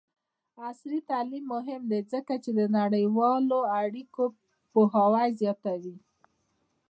عصري تعلیم مهم دی ځکه چې د نړیوالو اړیکو پوهاوی زیاتوي.